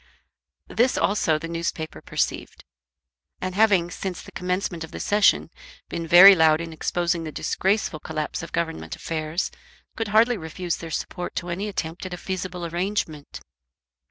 This also the newspapers perceived; and having, since the commencement of the Session, been very loud in exposing the disgraceful collapse of government affairs, could hardly refuse their support to any attempt at a feasible arrangement.